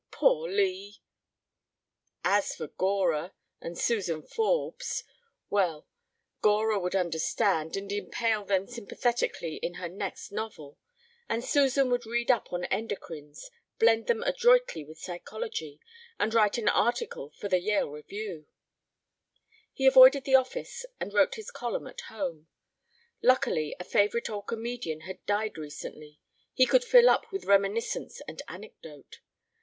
Poor Lee." As for Gora and Suzan Forbes well, Gora would understand, and impale them sympathetically in her next novel, and Suzan would read up on endocrines, blend them adroitly with psychology, and write an article for the Yale Review. He avoided the office and wrote his column at home. Luckily a favorite old comedian had died recently. He could fill up with reminiscence and anecdote.